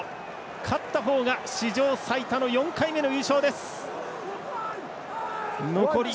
勝った方が史上最多の４回目の優勝です。